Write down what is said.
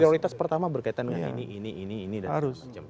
prioritas pertama berkaitan dengan ini ini ini ini dan segala macam